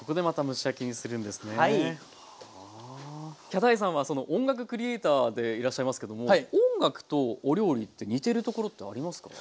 ヒャダインさんは音楽クリエーターでいらっしゃいますけども音楽とお料理って似てるところってありますか？